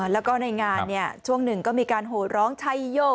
แล้วก็ในงานช่วงหนึ่งก็มีการโหร้องชัยโย